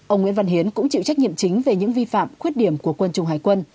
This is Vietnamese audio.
ông nguyễn văn hiến cũng chịu trách nhiệm chính về những vi phạm khuyết điểm của quân chủng hải quân